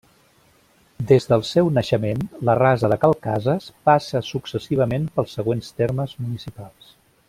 Des del seu naixement, la Rasa de Cal Cases passa successivament pels següents termes municipals.